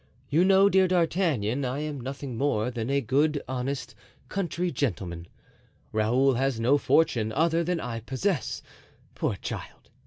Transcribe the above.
You know, dear D'Artagnan, I am nothing more than a good honest country gentleman. Raoul has no fortune other than I possess, poor child!